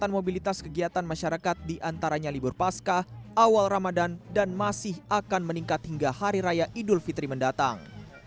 peningkatan mobilitas kegiatan masyarakat diantaranya libur pasca awal ramadan dan masih akan meningkat hingga hari raya idul fitri mendatang